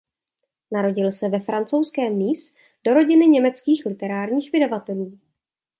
Narodil se ve francouzském Nice do rodiny německých literárních vydavatelů.